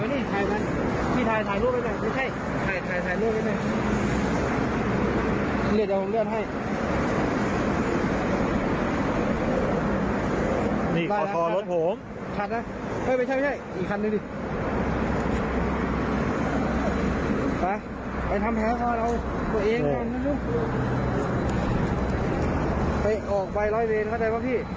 ไปไปทำแผลข้อเราตัวเองกันไปออกไปร่อยเวรเข้าใจปะพี่